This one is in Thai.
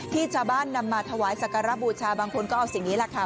ที่ชาวบ้านนำมาถวายสักการะบูชาบางคนก็เอาสิ่งนี้แหละค่ะ